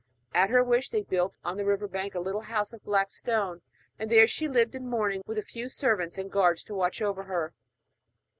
At her wish they built on the river bank a little house of black stone; and there she lived in mourning, with a few servants and guards to watch over her.